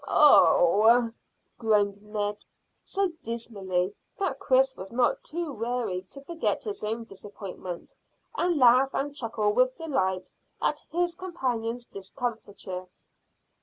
"Oh!" groaned Ned, so dismally that Chris was not too weary to forget his own disappointment and laugh and chuckle with delight at his companion's discomfiture.